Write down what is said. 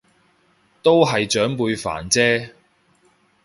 都係長輩煩啫